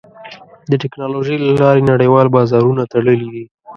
د ټکنالوجۍ له لارې نړیوال بازارونه تړلي دي.